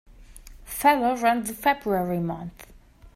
Feller runs the February months.